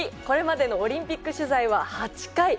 これまでのオリンピック取材は８回。